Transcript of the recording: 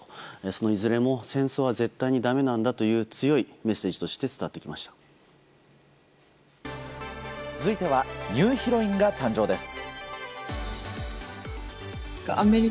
そのいずれも戦争は絶対にだめなんだという強いメッセージとして続いてはニューヒロインが誕生です。